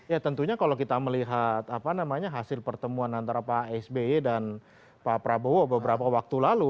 ya tentunya kalau kita melihat hasil pertemuan antara pak sby dan pak prabowo beberapa waktu lalu